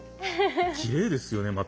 きれいですよねまた。